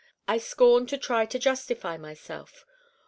I scorn to try to justify myself.